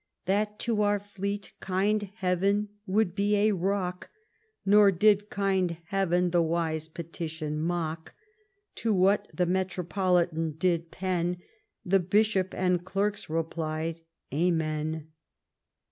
That to our fleet kind Heaven would be a rock; Nor did kind Heaven the wise petition mock: To what the metropolitan did pen. The bishop and clerks replied, Amen.